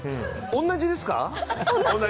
同じです。